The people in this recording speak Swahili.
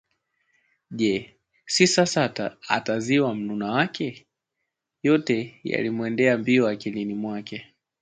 je? Si sasa atasaziwa mnuna wake? Yote haya yalimwenda mbio akilini mwake